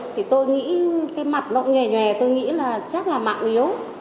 thì tôi nghĩ cái mặt lộn nhòe nhòe tôi nghĩ là chắc là mạng yếu